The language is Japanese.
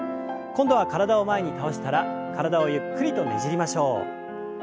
今度は体を前に倒したら体をゆっくりとねじりましょう。